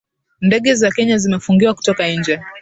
Ndege za kenya zimefungiwa kutoka nje